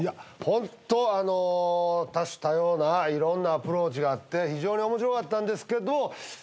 ホント多種多様ないろんなアプローチがあって非常に面白かったんですけど。